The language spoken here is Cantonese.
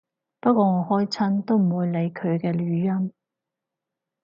不過我開親都唔會理佢嘅語音